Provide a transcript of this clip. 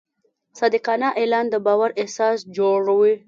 صادقانه اعلان د باور اساس جوړوي.